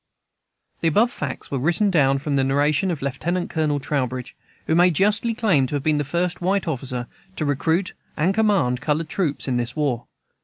The above facts were written down from the narration of Lieutenant Colonel Trowbridge, who may justly claim to have been the first white officer to recruit and command colored troops in this war.